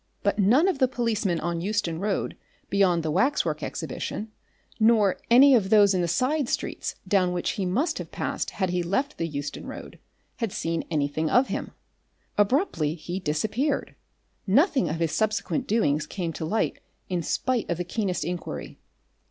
But none of the policemen on Euston Road beyond the Waxwork Exhibition, nor any of those in the side streets down which he must have passed had he left the Euston Road, had seen anything of him. Abruptly he disappeared. Nothing of his subsequent doings came to light in spite of the keenest inquiry.